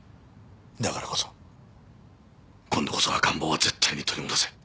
だからこそ今度こそ赤ん坊は絶対に取り戻せ。